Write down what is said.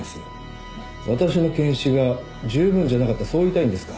私の検視が十分じゃなかったそう言いたいんですか？